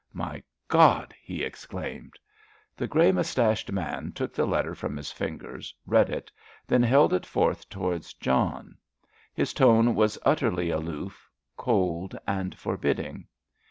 "My God!" he exclaimed. The grey moustached man took the letter from his fingers, read it, then held it forth towards John. His tone was utterly aloof, cold, and forbidding.